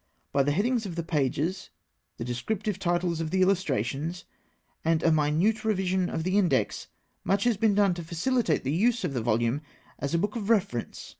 By the headings of the pages, the descriptive titles of the illustrations, and a minute revision of the index, much has been done to facilitate the use of the volume as a book of reference.